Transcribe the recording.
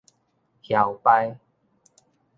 囂俳